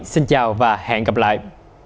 xin chào và hẹn gặp lại